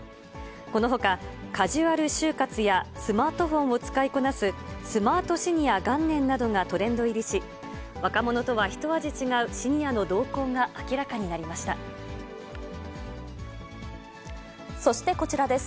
このほか、カジュアル終活やスマートフォンを使いこなすスマートシニア元年などがトレンド入りし、若者とはひと味違うシニアの動向が明らかそしてこちらです。